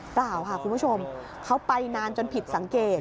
เปล่าค่ะคุณผู้ชมเขาไปนานจนผิดสังเกต